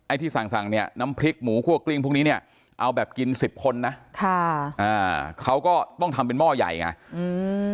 ไอ้ที่สั่งเนี่ยน้ำพริกหมูคั่วกลิ้งพวกนี้เนี่ยเอาแบบกิน๑๐คนนะเค้าก็ต้องทำเป็นหม้อใหญ่ไง